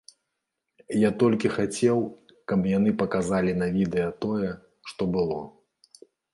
Я толькі хацеў, каб яны паказалі на відэа тое, што было.